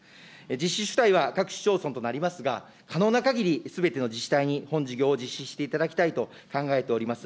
実施主体は各市町村となりますが、可能なかぎり、すべての自治体に本事業を実施していただきたいと考えております。